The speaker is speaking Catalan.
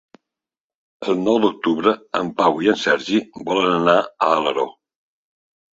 El nou d'octubre en Pau i en Sergi volen anar a Alaró.